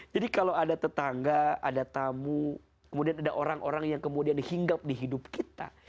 jadi kalau ada tetangga ada tamu kemudian ada orang orang yang kemudian dihinggap di hidup kita